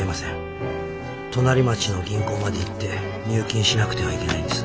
隣町の銀行まで行って入金しなくてはいけないんです。